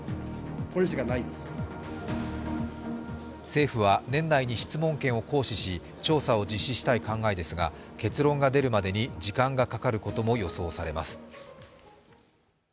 政府は年内に質問権を行使し調査を実施したい考えですが結論が出るまでに時間がかかることも予想されます。